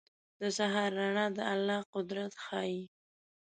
• د سهار رڼا د الله قدرت ښيي.